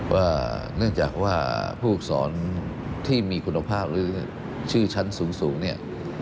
ว่าเนื่องจากว่าผู้ฝึกสอนที่มีคุณภาพหรือชื่อชั้นสูงเนี่ย